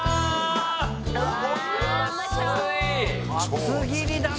「厚切りだね！」